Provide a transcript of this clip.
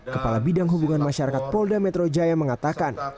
kepala bidang hubungan masyarakat polda metro jaya mengatakan